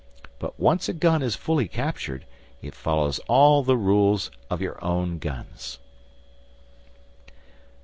But once a gun is fully captured, it follows all the rules of your own guns.